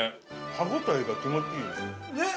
歯応えが気持ちいい。◆ねえ？